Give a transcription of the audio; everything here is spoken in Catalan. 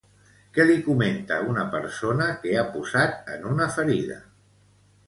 Què li comenta una persona que ha posat en una ferida?